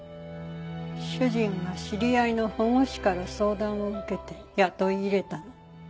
主人が知り合いの保護司から相談を受けて雇い入れたの。